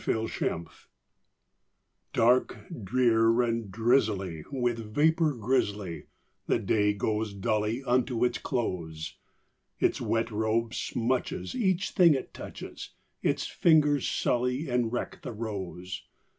A WET DAY Dark, drear, and drizzly, with vapor grizzly, The day goes dully unto its close; Its wet robe smutches each thing it touches, Its fingers sully and wreck the rose.